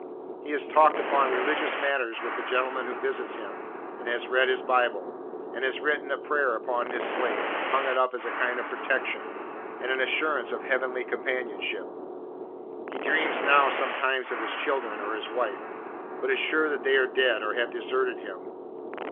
He has talked upon religious matters with the gentleman who visits him, and has read his Bible, and has written a prayer upon his slate, and hung it up as a kind of protection, and an assurance of Heavenly companionship. He dreams now, sometimes, of his children or his wife, but is sure that they are dead, or have deserted him.